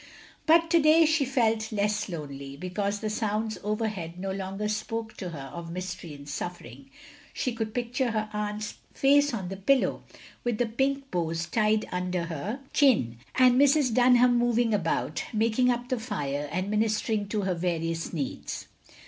But to day she felt less lonely, because the sounds overhead no longer spoke to her of mystery and suffering. She could picture her aunt's face on the pillow, with the pink bows tied imder her 36 THE LONELY LADY chin, and Mrs. Dunham moving about, making up the fire, and ministering to her various needs.